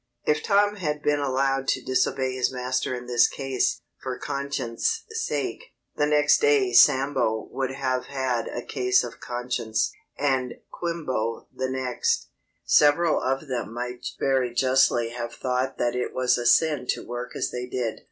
If Tom had been allowed to disobey his master in this case, for conscience' sake, the next day Sambo would have had a case of conscience, and Quimbo the next. Several of them might very justly have thought that it was a sin to work as they did.